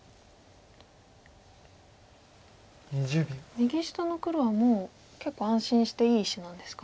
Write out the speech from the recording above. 右下の黒はもう結構安心していい石なんですか？